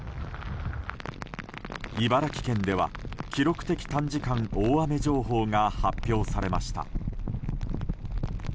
茨城県では記録的短時間大雨情報が発表されました。